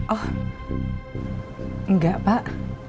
oh enggak pak